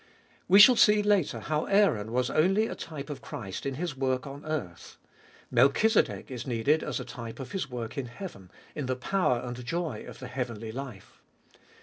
We shall see later how Aaron was only a type of Christ in His work on earth. Melchizedek is needed as a type of His work in heaven, in the power and joy of the heavenly life.